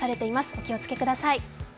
お気をつけください。